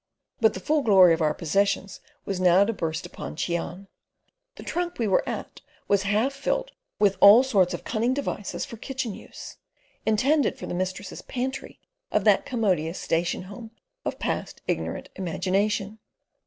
But the full glory of our possessions was now to burst upon Cheon. The trunk we were at was half filled with all sorts of cunning devices for kitchen use, intended for the mistress's pantry of that commodious station home of past ignorant imagination.